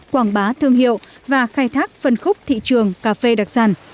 quảng bá thương hiệu và khai thác phân khúc thị trường cà phê đặc sản